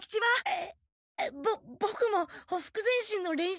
あボボクもほふく前進の練習。